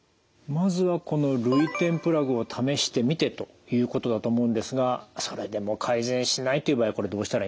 まずはこの涙点プラグを試してみてということだと思うんですがそれでも改善しないという場合はこれどうしたらいいんでしょう？